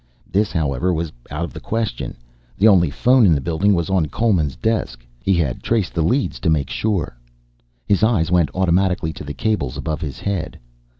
This, however, was out of the question. The only phone in the building was on Coleman's desk. He had traced the leads to make sure. His eyes went automatically to the cables above his head.